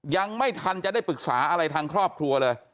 ยังไม่ทันจะได้ปรึกษาอะไรทางครอบครัวเลย